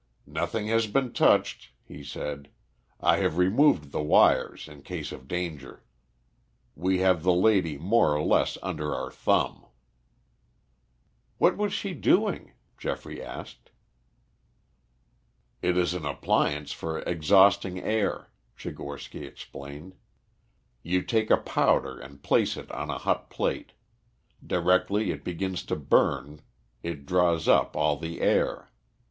"Nothing has been touched," he said. "I have removed the wires, in case of danger. We have the lady more or less under our thumb." "What was she doing?" Geoffrey asked. "It is an appliance for exhausting air," Tchigorsky explained. "You take a powder and place it on a hot plate. Directly it begins to burn it draws up all the air.